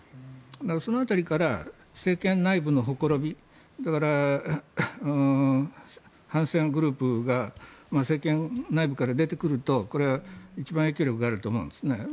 その辺りから政権内部のほころびだから、反戦グループが政権内部から出てくるとこれは一番影響力があると思うんですね。